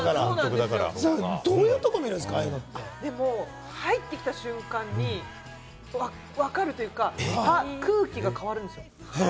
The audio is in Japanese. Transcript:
どういうところを見るんです入ってきた瞬間に分かるというか、空気が変わるんですよ。